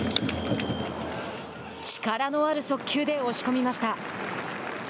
力のある速球で押し込みました。